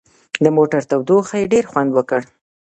د موټر تودوخې ډېر خوند وکړ.